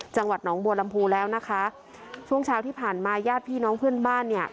จังหวัดหนองบัวลำพูแล้วนะคะช่วงเช้าที่ผ่านมาญาติพี่น้องเพื่อนบ้านเนี่ย